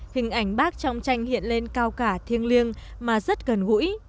hình ảnh bác trong tranh hiện lên cao cả thiêng liêng mà rất gần gũi